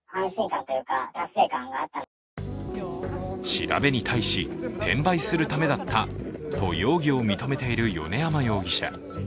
調べに対し転売するためだったと容疑を認めている米山容疑者。